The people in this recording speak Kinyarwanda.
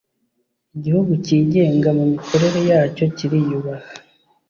igihugu cyigenga mu mikorere yacyo kiriyubaha